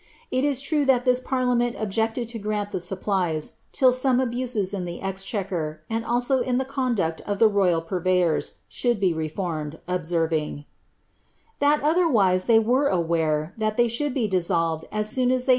It is true that this parliament objected to grant the supplies till some abuses in the exchequer, and also in the conduct of the royal purveyors, should be reformed, observing, "that otherwise tbey were aware that they should be dissolved as soon as they had *Stowe; Lingard.